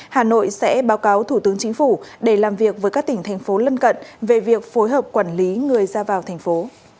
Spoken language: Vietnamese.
hà nội sẽ báo cáo thủ tướng chính phủ để làm việc với các tỉnh thành phố lân cận về việc phối hợp quản lý người ra vào thành phố